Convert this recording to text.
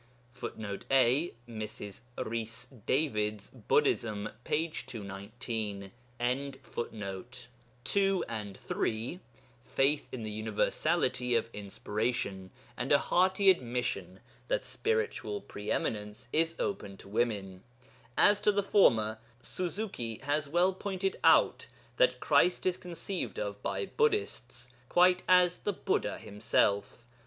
[a] [Footnote a: Mrs. Rhys Davids, Buddhism, p. 219.] (2 and 3) Faith in the universality of inspiration and a hearty admission that spiritual pre eminence is open to women. As to the former, Suzuki has well pointed out that Christ is conceived of by Buddhists quite as the Buddha himself.